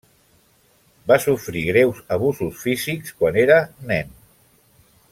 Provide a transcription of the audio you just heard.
Va sofrir greus abusos físics quan era nen.